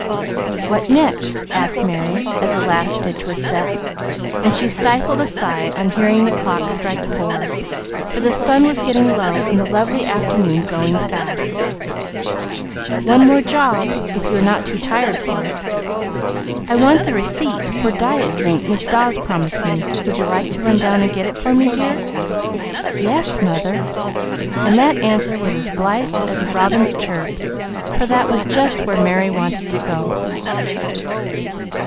"What next?" asked Merry, as the last stitch was set, and she stifled a sigh on hearing the clock strike four, for the sun was getting low, and the lovely afternoon going fast. "One more job, if you are not too tired for it. I want the receipt for diet drink Miss Dawes promised me; would you like to run down and get it for me, dear?" "Yes, mother!" and that answer was as blithe as a robin's chirp, for that was just where Merry wanted to go.